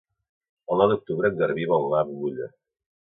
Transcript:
El nou d'octubre en Garbí vol anar a Bolulla.